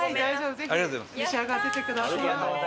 ぜひ召し上がっていってください。